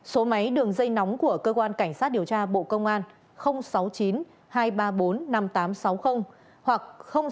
số máy đường dây nóng của cơ quan cảnh sát điều tra bộ công an sáu mươi chín hai trăm ba mươi bốn năm nghìn tám trăm sáu mươi hoặc sáu mươi chín hai trăm ba mươi hai một nghìn sáu trăm